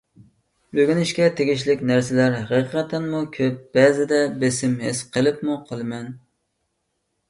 ئۆگىنىشكە تېگىشلىك نەرسىلەر ھەقىقەتەنمۇ كۆپ، بەزىدە بېسىم ھېس قىلىپمۇ قالىمەن.